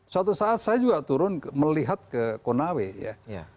suatu saat saya juga turun melihat ke konawe ya